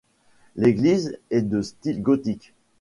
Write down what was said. L'église est de style gothique.